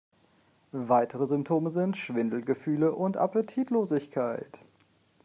Weitere Symptome sind Schwindelgefühle und Appetitlosigkeit.